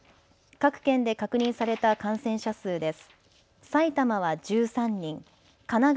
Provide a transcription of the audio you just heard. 各県で確認された感染者数です。